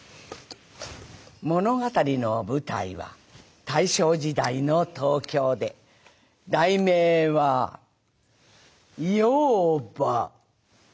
物語の舞台は大正時代の東京で題名は『妖婆』。